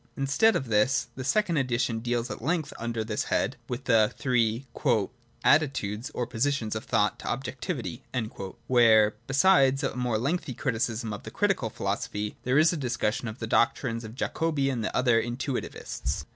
Instead of this the second edition deals at length, under this head, with the three ' attitudes (or positions) of thought to objectivity ;' where, besides a more lengthy criticism of the Critical philosophy, there is a discussion of the doctrines of Jacobi and other Intuitivists.